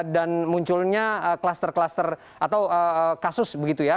dan munculnya cluster cluster atau kasus begitu ya